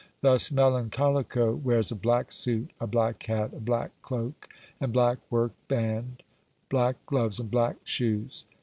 Thus Melancholico wears a black suit, a black hat, a black cloak, and black worked band, black gloves, and black shoes.